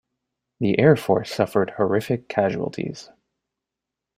The air force suffered horrific casualties.